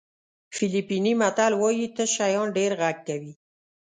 فلیپیني متل وایي تش شیان ډېر غږ کوي.